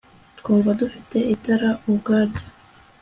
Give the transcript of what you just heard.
Twumva dufite itara ubwaryo